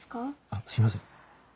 あっすいません